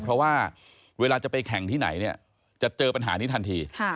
เพราะว่าเวลาจะไปแข่งที่ไหนเนี่ยจะเจอปัญหานี้ทันที